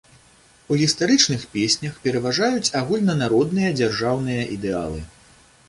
У гістарычных песнях пераважаюць агульнанародныя дзяржаўныя ідэалы.